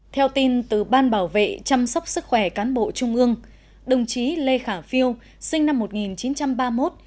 theo tin từ ban bảo vệ chăm sóc sức khỏe cán bộ trung ương đồng chí lê khả phiêu sinh năm một nghìn chín trăm ba mươi một